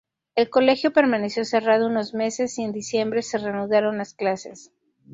El colegio permaneció cerrado unos meses y en diciembre se reanudaron las clases.